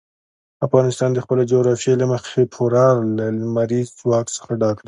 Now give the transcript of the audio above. افغانستان د خپلې جغرافیې له مخې پوره له لمریز ځواک څخه ډک دی.